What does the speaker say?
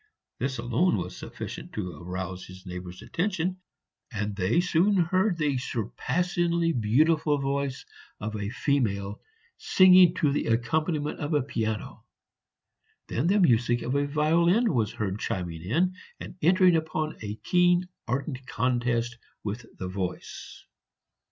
This alone was sufficient to arouse his neighbors' attention, and they soon heard the surpassingly beautiful voice of a female singing to the accompaniment of a piano. Then the music of a violin was heard chiming in and entering upon a keen ardent contest with the voice.